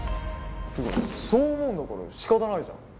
そう思うんだからしかたないじゃん。